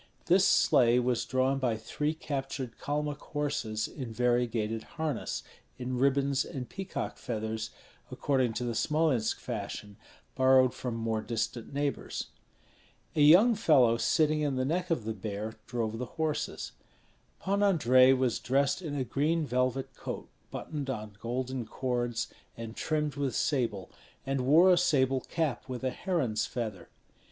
This sleigh was drawn by three captured Kalmuk horses in variegated harness, in ribbons and peacock feathers, according to the Smolensk fashion, borrowed from more distant neighbors. A young fellow sitting in the neck of the bear drove the horses. Pan Andrei was dressed in a green velvet coat buttoned on golden cords and trimmed with sable, and wore a sable cap with a heron's feather.